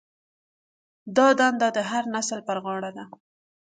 دا دنده د هر نسل پر غاړه ده.